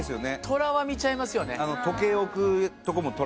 トラは見ちゃいますよね